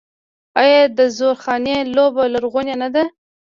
آیا د زورخانې لوبه لرغونې نه ده؟